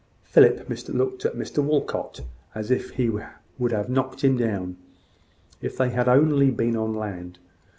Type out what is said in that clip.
Philip looked at Mr Walcot as if he would have knocked him down, if they had only been on land.